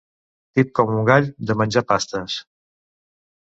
Tip com un gall de menjar pastes.